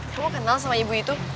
kamu kenal sama ibu itu